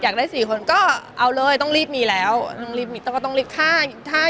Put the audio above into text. ได้สี่คนก็เอาเลยต้องรีบมีแล้วต้องรีบมีต้องก็ต้องรีบฆ่า